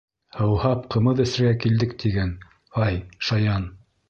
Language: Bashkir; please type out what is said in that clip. — Һыуһап, ҡымыҙ эсергә килдек тиген, һай, шаян!..